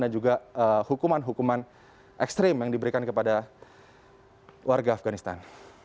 dan juga hukuman hukuman ekstrim yang diberikan kepada warga afghanistan